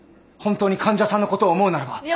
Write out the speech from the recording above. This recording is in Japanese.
本当に患者さんのことを思うならば。